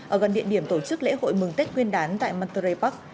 ở gần địa điểm tổ chức lễ hội mừng tết nguyên đán tại monterey park